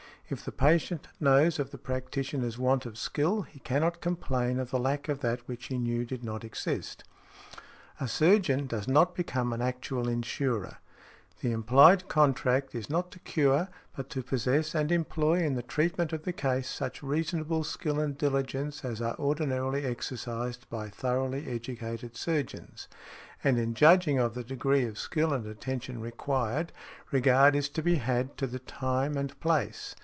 If the patient knows of the practitioner's want of skill, he cannot complain of the lack of that which he knew did not exist. |58| A surgeon does not become an actual insurer ; the implied contract is not to cure, but to possess and employ in the treatment of the case such reasonable skill and diligence as are ordinarily exercised by thoroughly educated surgeons; and in judging of the degree of skill and attention required, regard is to be had to the time and place.